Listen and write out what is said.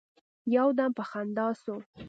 يو دم په خندا سو.